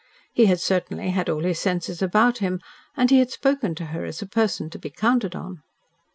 He had certainly had all his senses about him, and he had spoken to her as a person to be counted on.